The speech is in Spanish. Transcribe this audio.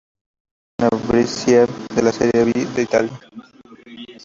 Actualmente juega en el Brescia, de la Serie B de Italia.